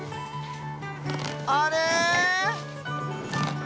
あれ？